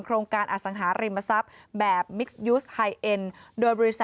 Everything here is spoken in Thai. โครงการอสังหาริมทรัพย์แบบมิกซ์ยูสไฮเอ็นด์